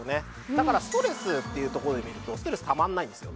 だからストレスっていうとこで見るとストレスたまんないんですよ